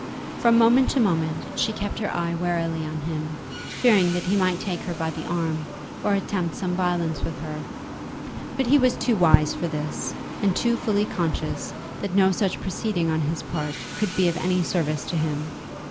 From moment to moment she kept her eye warily on him, fearing that he might take her by the arm, or attempt some violence with her. But he was too wise for this, and too fully conscious that no such proceeding on his part could be of any service to him.